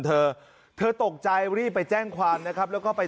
เธอเธอตกใจรีบไปแจ้งความนะครับแล้วก็ไป